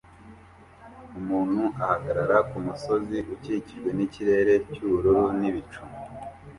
Umuntu ahagarara kumusozi ukikijwe nikirere cyubururu n'ibicu